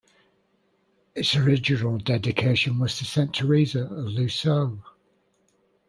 Its original dedication was to Saint Theresa of Lisieux.